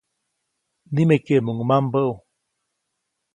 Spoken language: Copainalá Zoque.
Nimekeʼmuŋ mambäʼu.